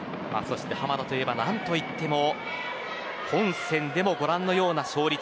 濱田といえば何と言っても本戦でも、ご覧のような勝率。